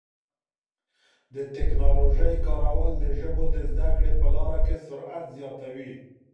د ټکنالوژۍ کارول د ژبو د زده کړې په لاره کي سرعت زیاتوي.